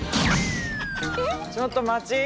ちょっと待ち！